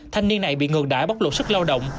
thanh niên này bị ngừng đải bóc lột sức lao động